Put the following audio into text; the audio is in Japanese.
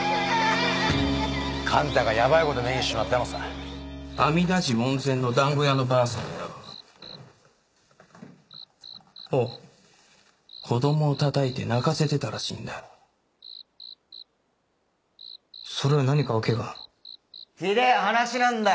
勘太がやばいこと目にしちまったのさ阿弥陀寺門前のだんご屋のばあさんがよおう子どもをたたいて泣かせてたらしいんだそれは何か訳がひでぇ話なんだよ